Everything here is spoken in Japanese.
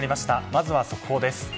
まずは速報です。